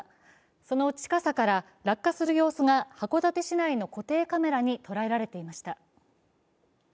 その近さから、落下する様子が函館市内の固定カメラにとらえられていました。